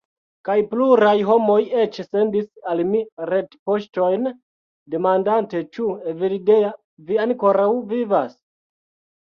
Kaj pluraj homoj eĉ sendis al mi retpoŝtojn, demandante: ĉu, Evildea, vi ankoraŭ vivas?